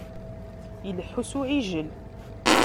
Ileḥḥu s uɛijel.